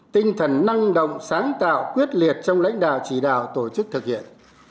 tinh thần năng động sáng tạo quyết liệt trong lãnh đạo chỉ đạo tổ chức thực hiện